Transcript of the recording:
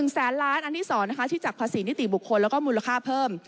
แสนล้านอันที่๒ที่จากภาษีนิติบุคคลแล้วก็มูลค่าเพิ่ม